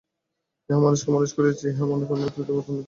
ইহা মানুষকে মানুষ করিয়াছে, এবং এই পশুমানবকে দেবত্বে উন্নীত করিবে।